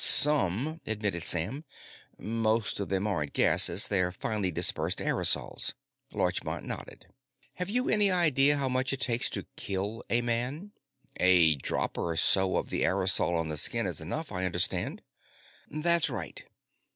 "Some," admitted Sam. "Most of them aren't gases; they're finely dispersed aerosols." Larchmont nodded. "Have you any idea how much it takes to kill a man?" "A drop or so of the aerosol on the skin is enough, I understand." "That's right.